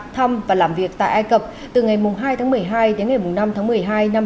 thăm và làm việc tại ai cập từ ngày hai tháng một mươi hai đến ngày năm tháng một mươi hai năm hai nghìn hai mươi